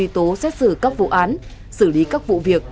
tố xét xử các vụ án xử lý các vụ việc